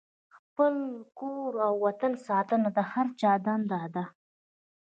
د خپل کور او وطن ساتنه د هر چا دنده ده.